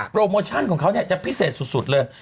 โปรโมชั่นของเขาจะพิเศษสุดเลย